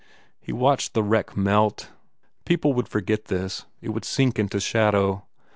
He watched the wreck melt. People would for get this. It would sink into shadow.